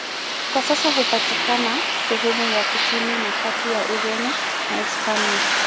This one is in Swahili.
Kwa sasa hupatikana sehemu ya kusini na kati ya Ureno na Hispania.